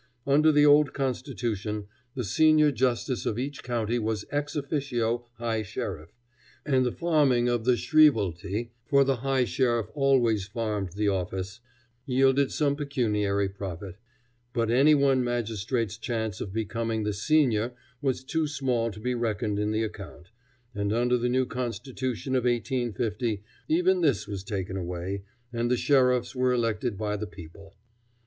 Under the old constitution, the senior justice of each county was ex officio high sheriff, and the farming of the shrievalty for the high sheriff always farmed the office yielded some pecuniary profit; but any one magistrate's chance of becoming the senior was too small to be reckoned in the account; and under the new constitution of 1850 even this was taken away, and the sheriffs were elected by the people.